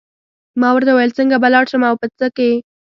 ما ورته وویل څنګه به لاړ شم او په څه کې.